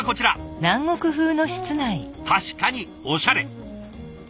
確かにおしゃれ。